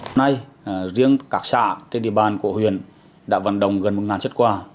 hôm nay riêng các xã trên địa bàn của huyện đã vận động gần một xuất quà